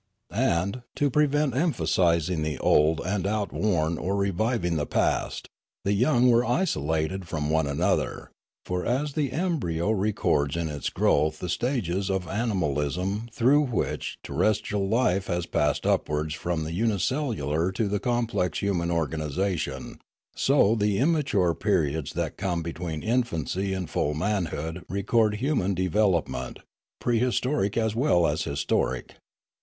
And, to prevent emphasising the old and outworn or reviving the past, the young were isolated from one another; for, as the embryo records in its growth the stages of animalism through which terrestrial life passed upwards from the unicellular to the complex human organisation, so the immature periods that come be tween infancy and full manhood record human develop ment, prehistoric as well as historic.